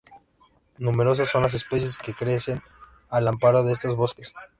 Numerosas son las especies que crecen al amparo de estos bosques.